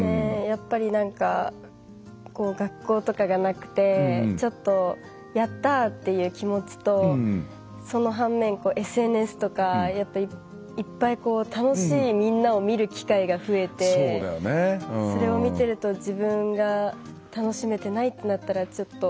やっぱり何か学校とかがなくてちょっと「やった！」っていう気持ちとその反面ＳＮＳとかやっぱいっぱい楽しいみんなを見る機会が増えてそれを見てると自分が楽しめてないってなったらちょっと。